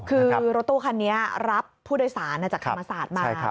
คือรถตู้คันนี้รับผู้โดยสารจากธรรมศาสตร์มา